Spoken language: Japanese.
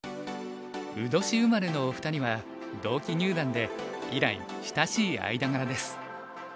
卯年生まれのお二人は同期入段で以来親しい間柄です。